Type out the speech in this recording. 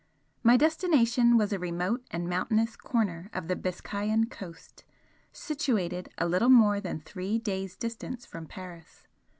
My destination was a remote and mountainous corner of the Biscayan coast, situated a little more than three days' distance from Paris.